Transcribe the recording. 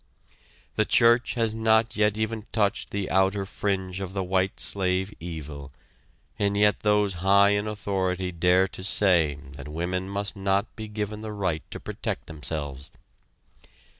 The church has not yet even touched the outer fringe of the white slave evil and yet those high in authority dare to say that women must not be given the right to protect themselves.